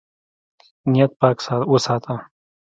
نیت پاک وساته.